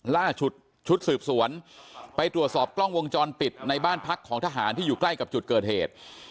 ล่าสุดชุดสืบสวนไปตรวจสอบกล้องวงจรปิดในบ้านพักของทหารที่อยู่ใกล้กับจุดเกิดเหตุ